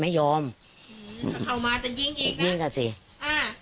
ไม่ยอมเข้ามาจะยิงอีกน่ะยิงน่ะสิอ่า